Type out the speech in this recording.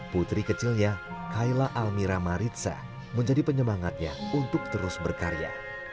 putri kecilnya kayla almira maritsa menjadi penyemangatnya untuk terus berkarya